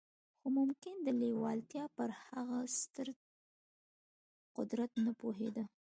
خو ممکن د لېوالتیا پر هغه ستر قدرت نه پوهېده